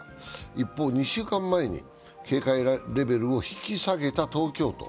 一方、２週間前に警戒レベルを引き下げた東京都。